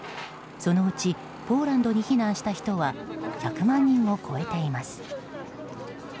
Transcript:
そのうちポーランドに避難した人は１００万人を超えています。